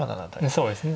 そうですね。